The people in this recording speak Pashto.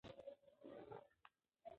د ده په بیتونو کې د درد او سوز نښې شته.